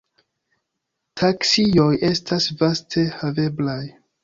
Taksioj estas vaste haveblaj.